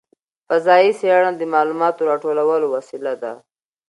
فضايي څېړنه د معلوماتو راټولولو وسیله ده.